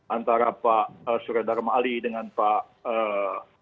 antara pak suriandar mali dengan pak surya